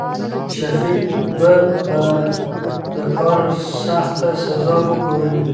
شفيق به په د کار سخته سزا وګوري.